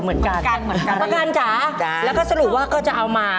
เหมือนกันประกันจ๊ะแล้วสรุปว่าก็จะเอามา